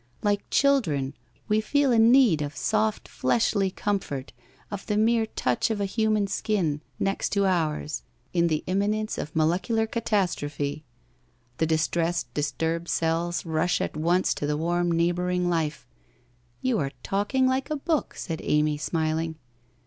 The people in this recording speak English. Like children, we feel a need of soft fleshly comfort, of the mere touch of 8 human 4. in next to ours in the imminence of n% WHITE ROSE OP WEARY LEAF molecular catastrophe. The distressed, disturbed cells rush at once to the warm neighbouring life ' 'You are talking like a book/ said Amy, smiling.